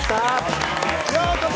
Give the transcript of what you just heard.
ようこそ！